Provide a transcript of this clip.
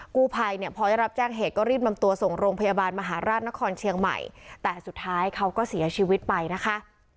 กู้ภัยเนี่ยพอได้รับแจ้งเหตุก็รีบนำตัวส่งโรงพยาบาลมหาราชนครเชียงใหม่แต่สุดท้ายเขาก็เสียชีวิตไปนะคะ